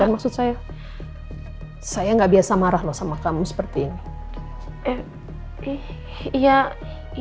maksud saya saya nggak biasa marah loh sama kamu seperti ini